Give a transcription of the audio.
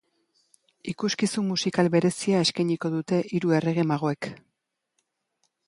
Ikuskizun musikal berezia eskainiko dute hiru errege magoek.